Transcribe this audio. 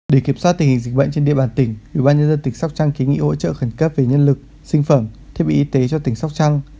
để kiểm soát tình hình dịch bệnh trên địa bàn tỉnh ủy ban nhân dân tỉnh sóc trăng ký nghị hỗ trợ khẩn cấp về nhân lực sinh phẩm thiết bị y tế cho tỉnh sóc trăng